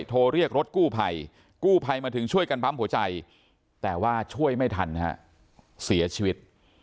โทรเรียกรถกู้ภัยกู้ภัยมาถึงช่วยกันปั๊มหัวใจแต่ว่าช่วยไม่ทันฮะเสียชีวิต